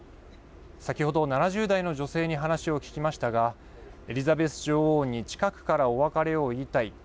先程、７０代の女性に話を聞きましたがエリザベス女王に近くからお別れを言いたい。